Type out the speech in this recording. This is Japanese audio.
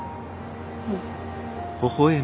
うん。